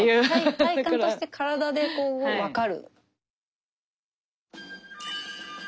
体感として体で分かる。